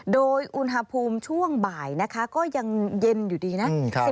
โดยอุณหภูมิช่วงบ่ายนะคะก็ยังเย็นอยู่ดีนะ